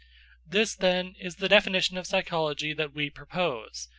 This, then, is the definition of psychology that we propose.